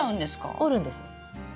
折るんです。